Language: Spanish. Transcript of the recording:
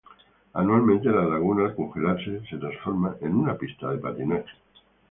Anualmente, la laguna al congelarse se transforma en una pista de patinaje.